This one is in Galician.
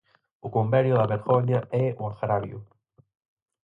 O convenio da vergoña é o agravio.